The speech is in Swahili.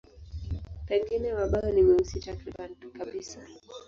Pengine mabawa ni meusi takriban kabisa.